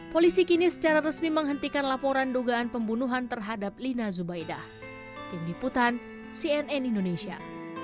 polisi kini secara resmi menghentikan laporan dugaan pembunuhan terhadap lina zubaidah